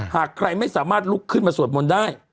หากใครไม่สามารถลุกขึ้นมาสวดมนต์ได้